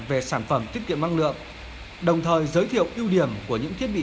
về sản phẩm tiết kiệm năng lượng đồng thời giới thiệu ưu điểm của những thiết bị